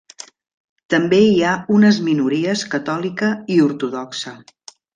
També hi ha unes minories catòlica i ortodoxa.